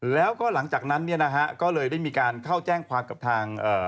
แล้วก็หลังจากนั้นเนี่ยนะฮะก็เลยได้มีการเข้าแจ้งความกับทางเอ่อ